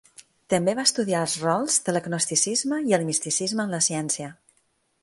També va estudiar els rols de l'agnosticisme i el misticisme en la ciència.